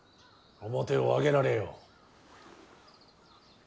面を上げられよ。